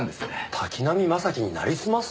滝浪正輝になりすます？